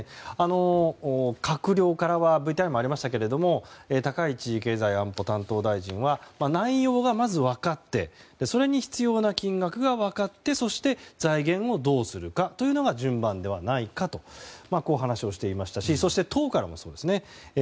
閣僚からはＶＴＲにもありましたが高市経済安保担当大臣は内容がまず分かってそれに必要な金額が分かってそして財源をどうするかというのが順番ではないかという話をしていましたしそして党からもそうですね。